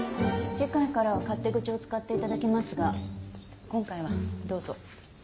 次回からは勝手口を使って頂きますが今回はどうぞ。